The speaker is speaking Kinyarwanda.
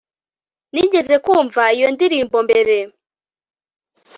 nigeze kumva iyo ndirimbo mbere